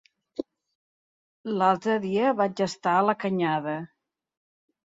L'altre dia vaig estar a la Canyada.